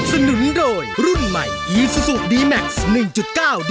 พบกันใหม่พรุ่งนี้นะครับ